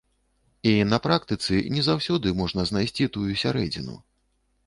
І на практыцы не заўсёды можна знайсці тую сярэдзіну.